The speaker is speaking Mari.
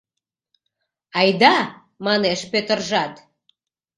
— Айда! — манеш Пӧтыржат.